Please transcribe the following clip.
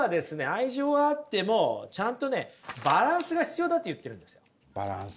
愛情はあってもちゃんとねバランスが必要だって言ってるんですよ。